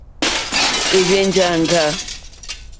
È rzênjāŋɡâ.